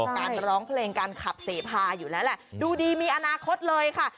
การร้องเพลงการขับเสพาอยู่แล้วแหละดูดีมีอนาคตเลยค่ะ